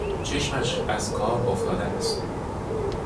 چشمش از کار افتاده است